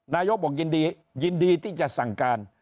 นายกบอกยินดียินดีที่จะสั่งการ